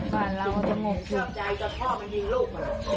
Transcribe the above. บ้านเราจะงกสุด